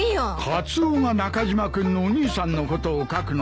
カツオが中島君のお兄さんのことを書くのなら。